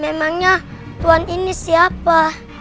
memangnya tuhan ini siapa